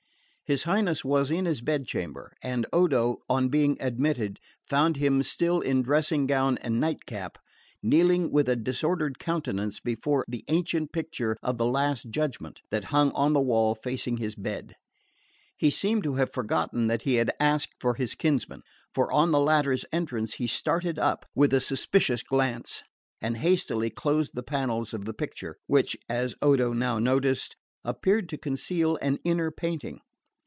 His Highness was in his bed chamber; and Odo, on being admitted, found him, still in dressing gown and night cap, kneeling with a disordered countenance before the ancient picture of the Last Judgment that hung on the wall facing his bed. He seemed to have forgotten that he had asked for his kinsman; for on the latter's entrance he started up with a suspicious glance and hastily closed the panels of the picture, which (as Odo now noticed) appeared to conceal an inner painting.